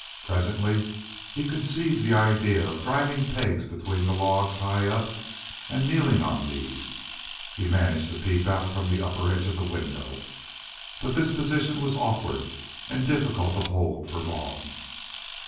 Presently he conceived the idea of driving pegs between the logs, high up, and, kneeling on these, he managed to peep out from the upper edge of the window. But this position was awkward and difficult to hold for long.